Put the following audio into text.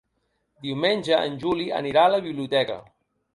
Diumenge en Juli anirà a la biblioteca.